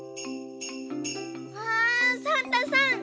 うわサンタさん